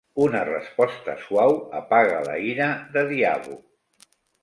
Una resposta suau apaga la ira de Diabo.